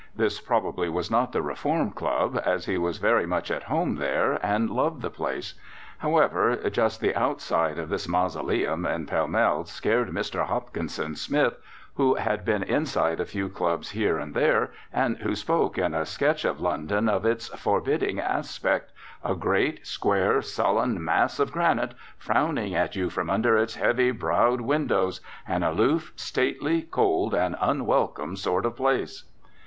This probably was not the Reform Club, as he was very much at home there and loved the place. However, just the outside of this "mausoleum" in Pall Mall scared Mr. Hopkinson Smith, who had been inside a few clubs here and there, and who spoke, in a sketch of London, of its "forbidding" aspect, "a great, square, sullen mass of granite, frowning at you from under its heavy browed windows an aloof, stately, cold and unwelcome sort of place."